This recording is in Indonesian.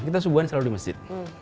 kita subuhan selalu di masjid